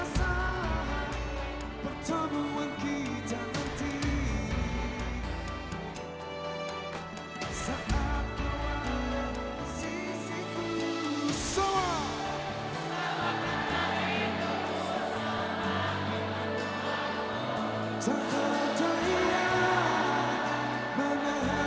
semoga waktu akan menilai sisi hatimu yang betul